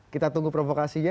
kita tunggu provokasinya